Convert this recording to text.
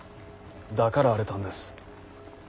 だから荒れたんです。